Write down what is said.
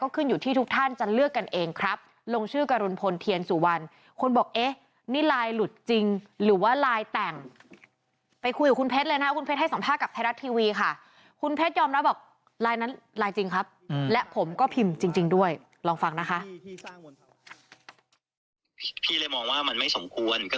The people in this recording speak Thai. คุณเพชรยอมแล้วบอกลายนั้นลายจริงครับและผมก็พิมพ์จริงด้วยลองฟังนะคะ